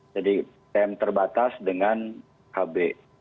jadi yang terbatas dengan skb